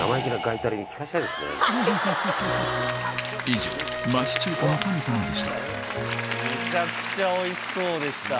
以上めちゃくちゃおいしそうでした。